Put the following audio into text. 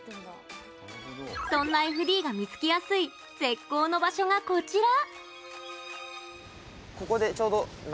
そんなＦＤが見つけやすい絶好の場所が、こちら。